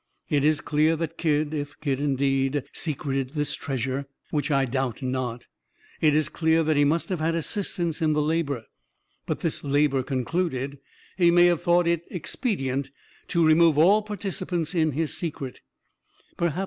It is clear that Kidd if Kidd indeed secreted this treasure, which I doubt not it is clear that he must have had assistance in the labor. But this labor concluded, he may have thought it expedient to remove all participants in his secret.